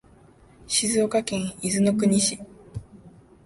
静岡県伊豆の国市